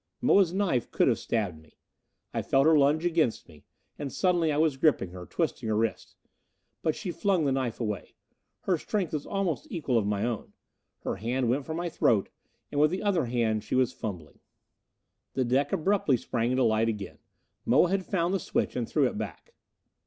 Moa's knife could have stabbed me. I felt her lunge against me; and suddenly I was gripping her, twisting her wrist. But she flung the knife away. Her strength was almost the equal of my own. Her hand went for my throat, and with the other hand she was fumbling. The deck abruptly sprang into light again. Moa had found the switch and threw it back.